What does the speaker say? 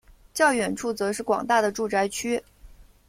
较远处则是广大的住宅区。